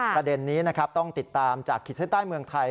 ประเด็นนี้นะครับต้องติดตามจากขีดเส้นใต้เมืองไทย